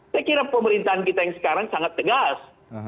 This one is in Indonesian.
saya kira pemerintahan kita yang sekarang sangat tegas